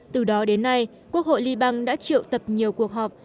từ đó đến nay quốc hội liên bang đã triệu tập nhiều cuộc họp